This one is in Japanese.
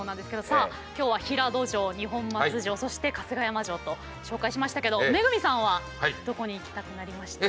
さあ今日は平戸城二本松城そして春日山城と紹介しましたけど恵さんはどこに行きたくなりましたか？